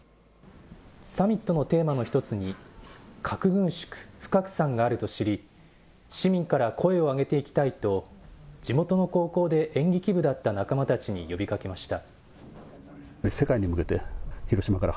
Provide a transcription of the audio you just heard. サミットのテーマの一つに、核軍縮・不拡散があると知り、市民から声を上げていきたいと、地元の高校で演劇部だった仲間たちに呼びかけました。